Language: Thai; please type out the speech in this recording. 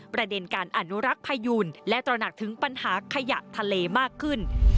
ประเด็นการอนุรักษ์พยูนและตระหนักถึงปัญหาขยะทะเลมากขึ้น